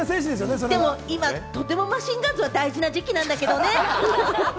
でも今、とてもマシンガンズは大事な時期なんだけれどもね。